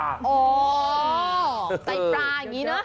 อ๋อไต้ปลาอย่างนี้นะ